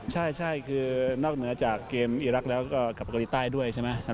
ใช่คือนอกเหนือจากเกมอีรักษ์แล้วก็กับเกาหลีใต้ด้วยใช่ไหม